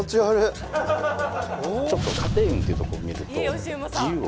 ちょっと家庭運っていうとこを見ると。